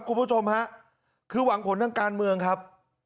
คุณผู้ชมฮะคือหวังผลทางการเมืองครับ